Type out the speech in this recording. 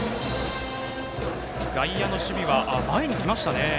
外野の守備は前に来ました。